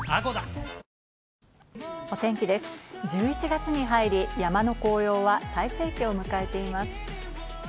１１月に入り、山の紅葉は最盛期を迎えています。